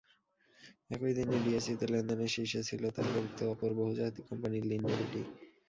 একই দিনে ডিএসইতে লেনদেনের শীর্ষে ছিল তালিকাভুক্ত অপর বহুজাতিক কোম্পানি লিনডে বিডি।